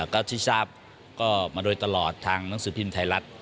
ก็ที่ทราบก็มาโดยตลอดทางหนังสือพิมพ์ไทยรัฐ